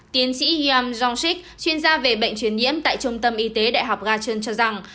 tiến sĩ yam jong sik chuyên gia về bệnh truyền nhiễm tại trung tâm y tế đại học gachon cho rằng